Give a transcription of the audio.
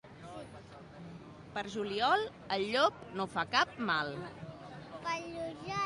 Per juliol, el llop no fa cap mal.